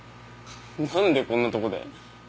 なんでこんなとこで。